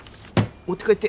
持って帰って。